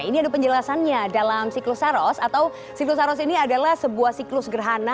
ini ada penjelasannya dalam siklus saros atau siklus saros ini adalah sebuah siklus gerhana